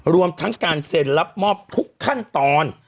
รวมทั้งการเซ็นรับมอบทุกขั้นตอน